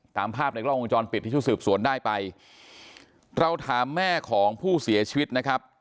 ตามภาพในกล้องวงจรปิดที่ชุดสืบสวนได้ไปเราถามแม่ของผู้เสียชีวิตนะครับ